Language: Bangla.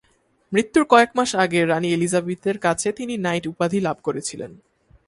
মৃত্যুর কয়েক মাস আগে রাণী এলিজাবেথের কাছে তিনি নাইট উপাধি লাভ করেছিলেন।